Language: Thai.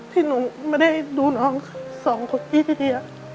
ที่หนูไม่ได้ดูน้องสองคนพี่เท่